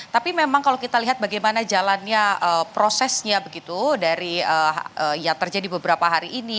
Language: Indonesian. tapi memang kalau kita lihat bagaimana jalannya prosesnya begitu dari yang terjadi beberapa hari ini